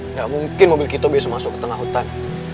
nggak mungkin mobil kita biasa masuk ke tengah hutan